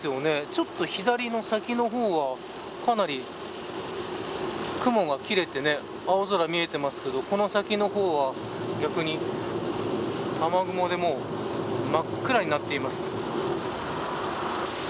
ちょっと左の先の方はかなり雲が切れて青空見えてますけどこの先の方は逆に雨雲で真っ暗になっています。